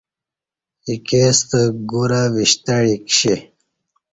ایکے ستہ گورہ وِشتعی کشی